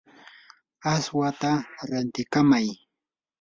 aswata rantikamay.